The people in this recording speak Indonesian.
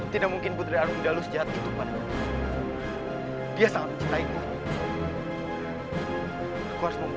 tidak mungkin putri arum dalu sejahat itu menangani arum dalu